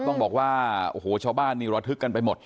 ต้องบอกว่าโอ้โหชาวบ้านนี่ระทึกกันไปหมด